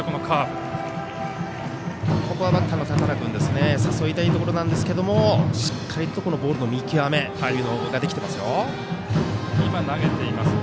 バッターの多田羅君誘いたいところなんですがしっかりと、ボールの見極めができていますよ。